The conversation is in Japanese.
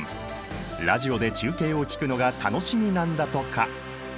ラジオで中継を聴くのが楽しみなんだとか。